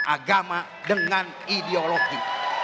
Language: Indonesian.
agama dengan ideologi